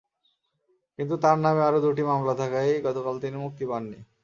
কিন্তু তাঁর নামে আরও দুটি মামলা থাকায় গতকাল তিনি মুক্তি পাননি।